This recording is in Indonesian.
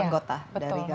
anggota dari gadasat lainnya